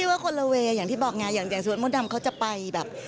พี่ว่าคนละเวย์อย่างที่บอกงานอย่างแก่สวดมดดำเขาจะไปแบบ